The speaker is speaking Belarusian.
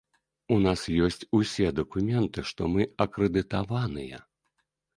У нас ёсць усе дакументы, што мы акрэдытаваныя.